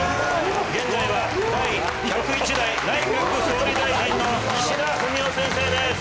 現在は第１０１代内閣総理大臣の岸田文雄先生です。